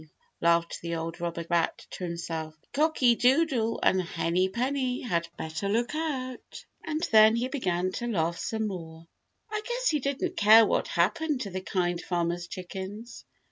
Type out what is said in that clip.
laughed the old robber rat to himself, "Cocky Doodle and Henny Penny had better look out." And then he began to laugh some more. I guess he didn't care what happened to the Kind Farmer's chickens.